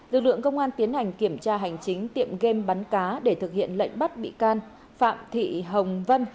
lực lượng công an tiến hành kiểm tra hành chính tiệm game bắn cá để thực hiện lệnh bắt bị can phạm thị hồng vân